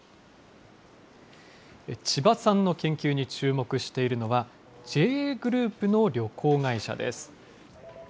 千葉さんの研究に注目しているのは、ＪＡグループの旅行会社です。